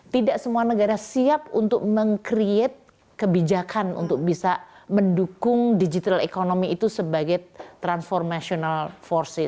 tidak semua negara siap untuk membuat kebijakan untuk mendukung ekonomi digital itu sebagai kekuatan transformasi